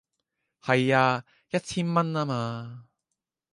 係啊，一千蚊吖嘛